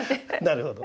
なるほど。